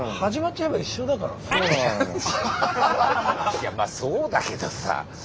いやまあそうだけどさ。